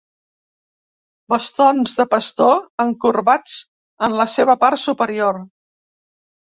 Bastons de pastor, encorbats en la seva part superior.